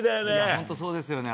本当、そうですよね。